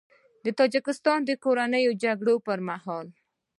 د تاجیکستان د کورنۍ جګړې پر مهال